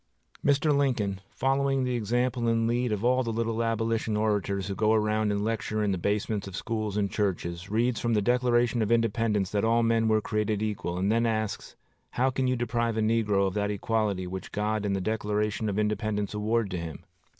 Mr. Lincoln, following the example and lead of all the little Abolition orators who go around and lecture in the basements of schools and churches, reads from the Declaration of Independence that all men were created equal, and then asks, How can you deprive a negro of that equality which God and the Declaration of Independence award to him?